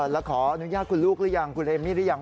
แล้วขออนุญาตคุณลูกหรือยังคุณเอมมี่หรือยัง